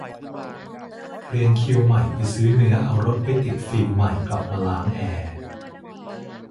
เรียงคิวใหม่ไปซื้อเนื้อเอารถไปติดฟิล์มใหม่กลับมาล้างแอร์